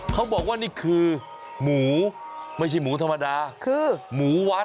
เขาบอกว่านี่คือหมูไม่ใช่หมูธรรมดาคือหมูวัด